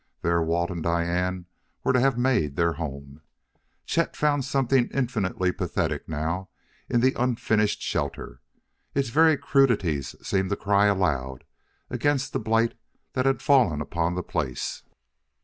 There Walt and Diane were to have made their home; Chet found something infinitely pathetic now in the unfinished shelter: its very crudities seemed to cry aloud against the blight that had fallen upon the place.